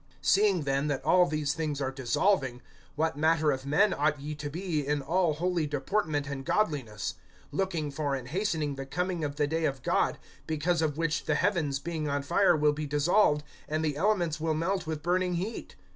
(11)Seeing then that all these things are dissolving, what manner of men ought ye to be, in all holy deportment and godliness; (12)looking for and hastening the coming of the day of God, because of which the heavens being on fire will be dissolved, and the elements will melt with burning heat?